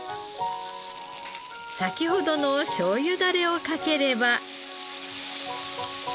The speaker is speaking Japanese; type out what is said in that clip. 先ほどのしょうゆダレをかければ。